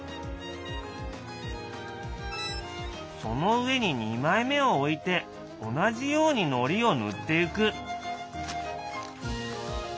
その上に２枚目をおいて同じようにのりをぬってゆく。